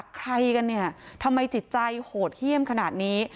ใครกันเนี่ยทำไมจิตใจโหดเยี่ยมขนาดนี้